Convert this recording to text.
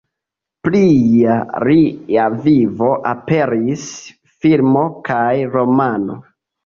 Pri lia vivo aperis filmo kaj romano.